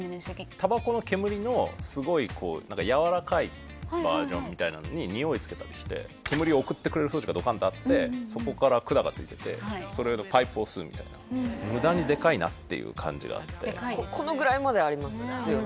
タバコの煙のすごいこうやわらかいバージョンみたいなのににおいつけたりして煙を送ってくれる装置がドカンとあってそこから管がついててそれのパイプを吸うみたいなこのぐらいまでありますよね